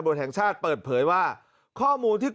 คุณผู้ชมฟังช่างปอลเล่าคุณผู้ชมฟังช่างปอลเล่า